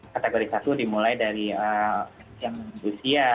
kategori satu dimulai dari yang usia